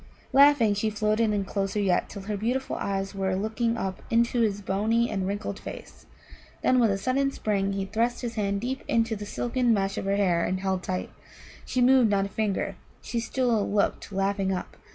Laughing, she floated in closer yet, till her beautiful eyes were looking up into his bony and wrinkled face. Then with a sudden spring he thrust his hand deep into the silken mesh of her hair and held tight. She moved not a finger; she still looked laughing up.